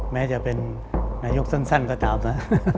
แม้จะเป็นนายกสั้นก็ตามนะ